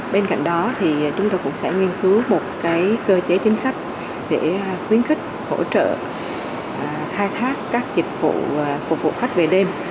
bên cạnh đó thì chúng tôi cũng sẽ nghiên cứu một cơ chế chính sách để khuyến khích hỗ trợ khai thác các dịch vụ phục vụ khách về đêm